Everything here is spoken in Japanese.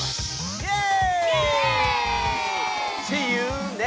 イエーイ！